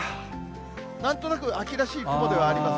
なんとなく秋らしい雲ではあります。